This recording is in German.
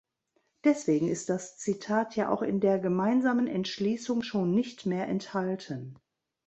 Deswegen ist das Zitat ja auch in der Gemeinsamen Entschließung schon nicht mehr enthalten.